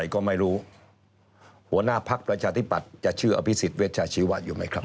ก็ไม่รู้หัวหน้าพักประชาธิปัตย์จะชื่ออภิษฎเวชาชีวะอยู่ไหมครับ